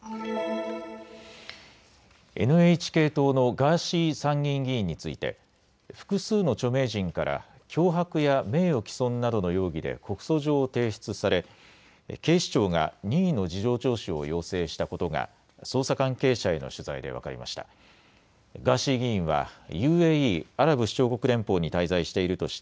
ＮＨＫ党のガーシー参議院議員について複数の著名人から脅迫や名誉毀損などの容疑で告訴状を提出され、警視庁が任意の事情聴取を要請したことが捜査関係者への取材で分かりました。